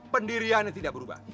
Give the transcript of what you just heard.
pendiriannya tidak berubah